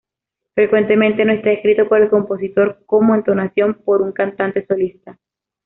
Frecuentemente no está escrito por el compositor, como entonación, por un cantante solista.